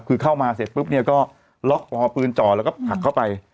คือเข้ามาเสร็จปุ๊บเนี่ยก็ล็อกคอปืนจ่อแล้วก็ผลักเข้าไป